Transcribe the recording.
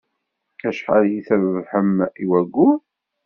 Acḥal ay trebbḥem i wayyur?